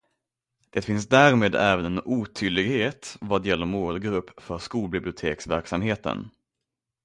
Det finns därmed även en otydlighet vad gäller målgrupp för skolbiblioteksverksamheten.